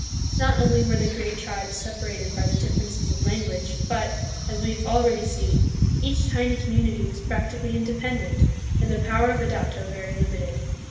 Not only were the great tribes sep arated by the differences of language, but, as we have already seen, each tiny community was practically inde pendent, and the power of a dato very limited.